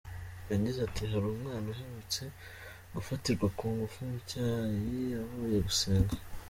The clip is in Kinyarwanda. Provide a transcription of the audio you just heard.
Yagize ati” Hari umwana uherutse gufatirwa ku ngufu mu cyayi avuye gusenga.